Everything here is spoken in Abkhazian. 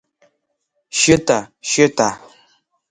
Шьыта, Шьыта!